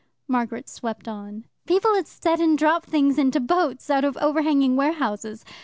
Margaret swept on. "People at Stettin drop things into boats out of overhanging warehouses.